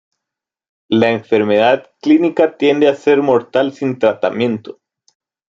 La enfermedad clínica tiende a ser mortal sin tratamiento.